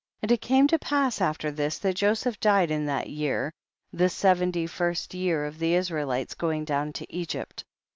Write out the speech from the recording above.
25. And it came to pass after this that Joseph died in that year, the se venty first year of the Israelites going down to Egypt.